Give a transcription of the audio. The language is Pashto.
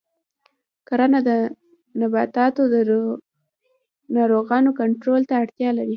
کرنه د نباتاتو د ناروغیو کنټرول ته اړتیا لري.